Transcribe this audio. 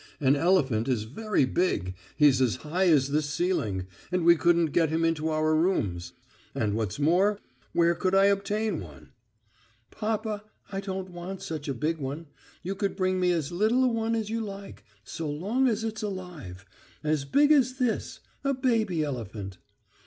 An elephant is very big; he's as high as the ceiling, and we couldn't get him into our rooms. And what's more, where could I obtain one?" "Papa, I don't want such a big one.... You could bring me as little a one as you like, so long as it's alive. As big as this ... a baby elephant."